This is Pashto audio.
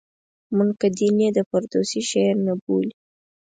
منقدین یې د فردوسي شعر نه بولي.